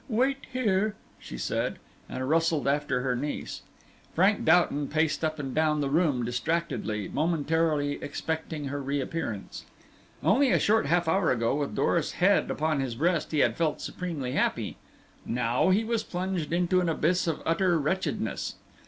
Wait here!" she said, and rustled after her niece. Frank Doughton paced up and down the room distractedly, momentarily expecting her reappearance. Only a short half hour ago, with Doris' head upon his breast, he had felt supremely happy; now he was plunged into an abyss of utter wretchedness.